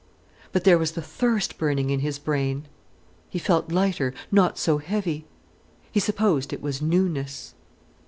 But there was the thirst burning in his brain. He felt lighter, not so heavy. He supposed it was newness.